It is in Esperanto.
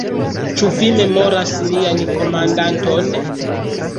Ĉu vi memoras nian komandanton?